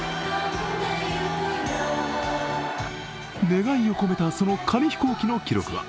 願いを込めたその紙飛行機の記録は